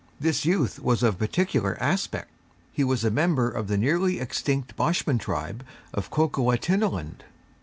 This youth was of peculiar aspect. He was a member of the nearly extinct Boshman tribe of Kokoatinaland.